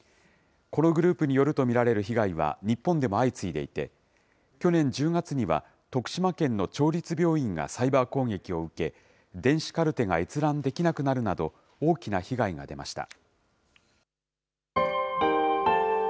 このグループによると見られる被害は、日本でも相次いでいて、去年１０月には、徳島県の町立病院がサイバー攻撃を受け、電子カルテが閲覧できなくなるなど、大きな被害が出ました。